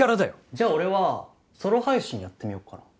じゃあ俺はソロ配信やってみよっかな